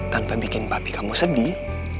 tanpa bikin bapi kamu sedih